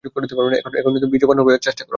এখন বীর্যবান হইবার চেষ্টা কর।